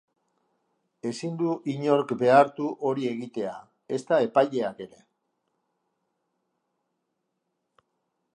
Ezin du inork behartu hori egitea, ezta epaileak ere.